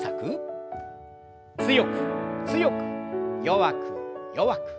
強く強く弱く弱く。